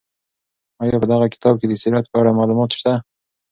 آیا په دغه کتاب کې د سیرت په اړه معلومات شته؟